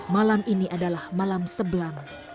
malam ini adalah malam sebelam